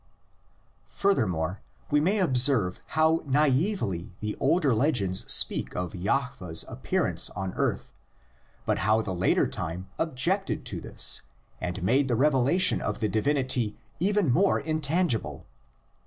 Furthermore, we may observe how naively the older legends speak of Jahveh's appearance on earth, but how the later time objected to this and made the revelation of the divinity even more intangible.